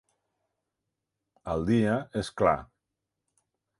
El dia és clar.